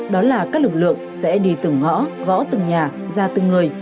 đó là các lực lượng sẽ đi từng ngõ gõ từng nhà ra từng người